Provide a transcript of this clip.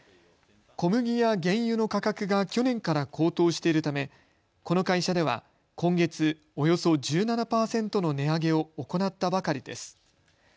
小麦や原油の価格が去年から高騰しているためこの会社では今月、およそ１７％の値上げを行ったばかりです。